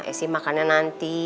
esi makannya nanti